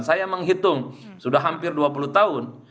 saya menghitung sudah hampir dua puluh tahun